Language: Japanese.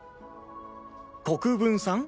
国分さん？